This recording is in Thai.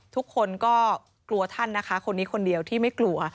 ทุกคนก็กลัวท่านนะคะคนนี้คนเดียวที่ไม่กลัว